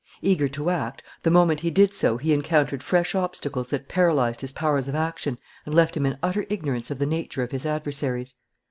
Eager to act, the moment he did so he encountered fresh obstacles that paralyzed his powers of action and left him in utter ignorance of the nature of his adversaries.